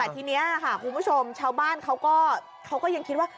ทีนี้ค่ะคุณผู้ชมชาวบ้านเขาก็ยังคิดว่า